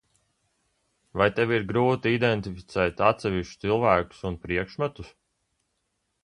Vai tev ir grūti identificēt atsevišķus cilvēkus un priekšmetus?